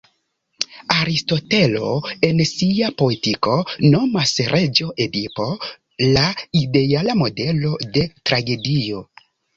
Aristotelo en sia "Poetiko" nomas "Reĝo Edipo" la ideala modelo de tragedio.